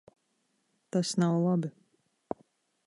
Tas nav labi.